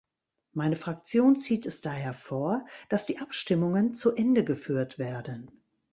Meine Fraktion zieht es daher vor, dass die Abstimmungen zu Ende geführt werden.